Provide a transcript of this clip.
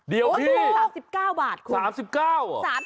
เดี๋ยวพี่๓๙บาทคุณ